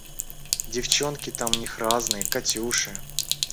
Девчонки там у них разные… Катюши!